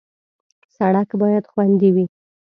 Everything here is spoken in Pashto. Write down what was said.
سړک باید خوندي وي.